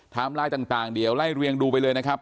ไลน์ต่างเดี๋ยวไล่เรียงดูไปเลยนะครับ